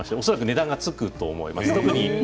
恐らく値段がつくと思います。